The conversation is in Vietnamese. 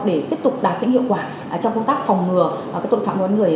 để tiếp tục đạt những hiệu quả trong công tác phòng ngừa tội phạm đoàn người